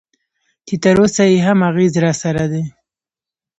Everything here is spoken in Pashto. چې تراوسه یې هم اغېز راسره دی.